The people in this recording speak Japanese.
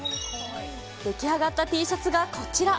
出来上がったＴシャツがこちら。